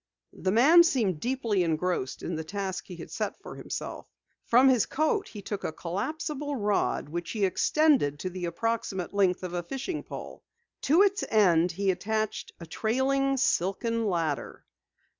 The man seemed deeply engrossed in the task he had set for himself. From his coat he took a collapsible rod which he extended to the approximate length of a fish pole. To its end he attached a trailing silken ladder.